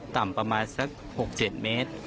ต่ำประมาณสัก๖๗เมตร